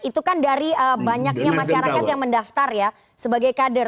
itu kan dari banyaknya masyarakat yang mendaftar ya sebagai kader